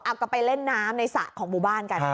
เอาก็ไปเล่นน้ำในสระของบุบันกัน